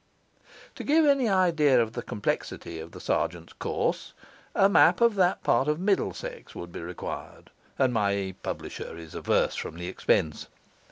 To give any idea of the complexity of the sergeant's course, a map of that part of Middlesex would be required, and my publisher is averse from the expense.